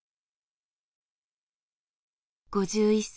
５１歳。